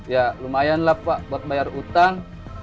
ya lumayan lah pak buat bayar utang